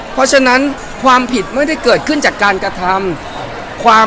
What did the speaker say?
เพราะฉะนั้นความผิดไม่ได้เกิดขึ้นจากการกระทำความ